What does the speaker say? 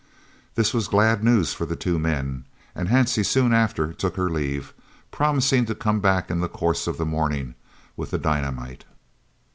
This was glad news for the two men, and Hansie soon after took her leave, promising to come back in the course of the morning with the dynamite.